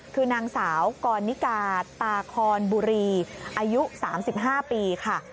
คือนางสาวกรนิกาตาคอนบุรีอายุ๓๕ปีค่ะ